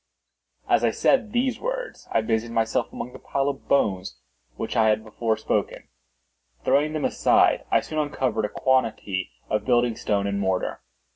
As I said these words I busied myself among the pile of bones of which I have before spoken. Throwing them aside, I soon uncovered a quantity of building stone and mortar.